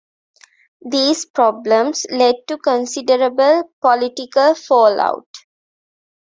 These problems led to considerable political fallout.